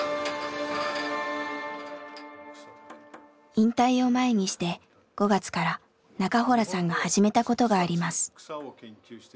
引退を前にして５月から中洞さんが始めたことがあります。